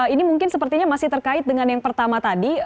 ini mungkin sepertinya masih terkait dengan yang pertama tadi